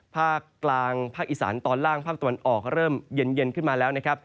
ภาคกลางภาคอีสานตอนล่างภาคตะวันออกเริ่มเย็นขึ้นมาแล้วนะครับ